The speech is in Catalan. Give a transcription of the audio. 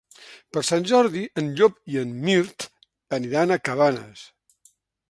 Per Sant Jordi en Llop i en Mirt aniran a Cabanes.